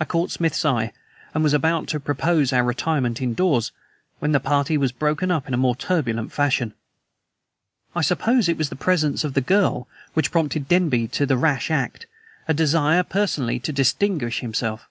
I caught Smith's eye, and was about to propose our retirement indoors, when the party was broken up in more turbulent fashion. I suppose it was the presence of the girl which prompted Denby to the rash act, a desire personally to distinguish himself.